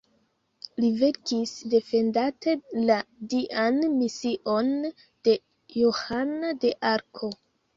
Li verkis defendante la dian mision de Johana de Arko.